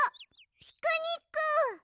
ピクニック！